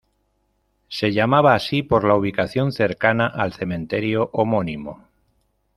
Se llama así por la ubicación cercana al cementerio homónimo.